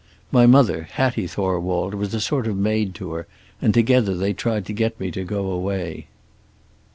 My mother, Hattie Thorwald, was a sort of maid to her, and together they tried to get me to go away."